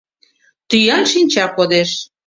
Тӱан шинча кодеш...